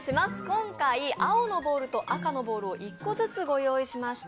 今回、青のボールと赤のボール１個ずつをご用意しました。